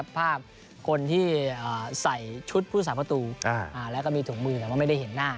ภาพคนที่ใส่ชุดผู้สาประตูแล้วก็มีถุงมือแต่ว่าไม่ได้เห็นหน้า